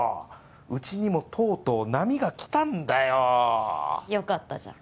うちにもとうとう波が来たんだよよかったじゃん